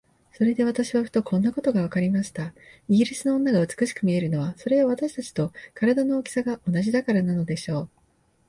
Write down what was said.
それで私はふと、こんなことがわかりました。イギリスの女が美しく見えるのは、それは私たちと身体の大きさが同じだからなのでしょう。